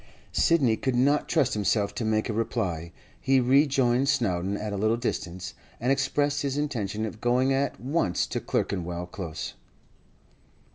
Sidney could not trust himself to make a reply. He rejoined Snowdon at a little distance, and expressed his intention of going at once to Clerkenwell Close.